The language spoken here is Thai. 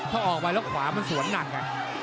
ถ้าออกไปแล้วขวามันสวนหนัก